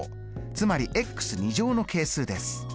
つまりの係数です。